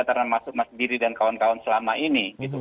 termasuk mas diri dan kawan kawan selama ini